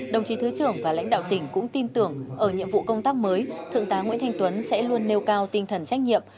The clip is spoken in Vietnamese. đồng chí thứ trưởng và lãnh đạo tỉnh cũng tin tưởng ở nhiệm vụ công tác mới thượng tá nguyễn thanh tuấn sẽ luôn nêu cao tinh thần trách nhiệm